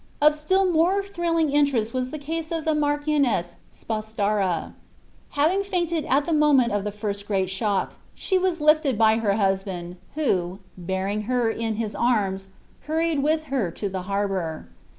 Of still more thrilling interest was the case of the Marchioness Spastara. Having fainted at the moment of the first great shock, she was lifted by her husband, who, bearing her in his arms, hurried with her to the harbor.